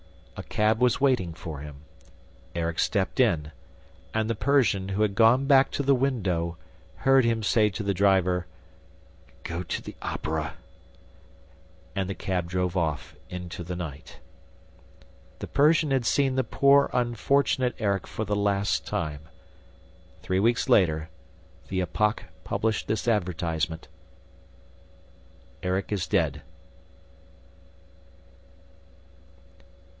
A cab was waiting for him. Erik stepped in; and the Persian, who had gone back to the window, heard him say to the driver: "Go to the Opera." And the cab drove off into the night. The Persian had seen the poor, unfortunate Erik for the last time. Three weeks later, the Epoque published this advertisement: "Erik is dead."